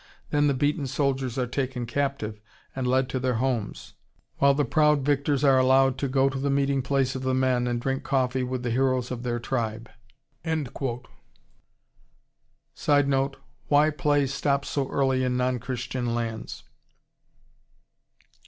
Then the beaten soldiers are taken captive and led to their homes, while the proud victors are allowed to go to the meeting place of the men and drink coffee with the heroes of their tribe." [Sidenote: Why play stops so early in non Christian lands.